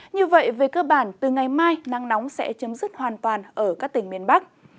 như vậy về cơ bản từ ngày mai nắng nóng sẽ chấm dứt hoàn toàn ở các tỉnh miền bắc